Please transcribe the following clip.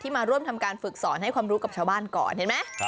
มาร่วมทำการฝึกสอนให้ความรู้กับชาวบ้านก่อนเห็นไหม